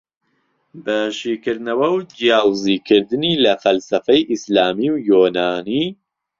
بە شیکردنەوەو جیاوزی کردنی لە فەلسەفەی ئیسلامی و یۆنانی